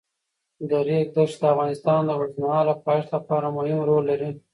د ریګ دښتې د افغانستان د اوږدمهاله پایښت لپاره مهم رول لري.